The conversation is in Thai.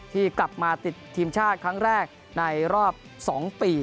ที่กลับมาติดทีมชาติครั้งแรกในรอบ๒ปี